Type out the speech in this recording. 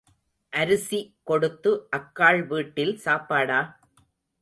அரிசி கொடுத்து அக்காள் வீட்டில் சாப்பாடா?